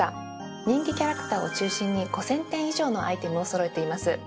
人気キャラクターを中心に５０００点以上のアイテムをそろえています。